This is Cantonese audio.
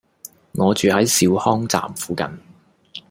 我住喺兆康站附近